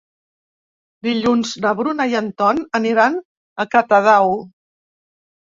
Dilluns na Bruna i en Ton aniran a Catadau.